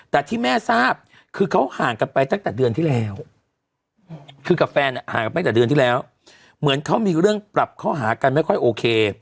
แต่ที่แม่ทราบคือเขาห่างกันไปตั้งแต่เดือนที่แล้วคือกับแฟนห่างกันตั้งแต่เดือนที่แล้วเหมือนเขามีเรื่องปรับเข้าหากันไม่ค่อยโอเค